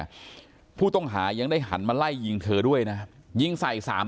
ผู้ต้องหายังได้หันมาไล่ยิงเธอด้วยนะยิงใส่สาม